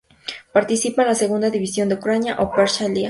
Participa en la Segunda División de Ucrania o Persha Liha.